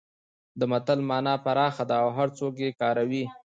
د متل مانا پراخه ده او هرڅوک یې کاروي